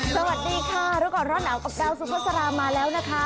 สวัสดีค่ะรู้ก่อนร้อนหนาวกับดาวซุปเปอร์สรามาแล้วนะคะ